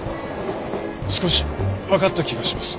少し分かった気がします。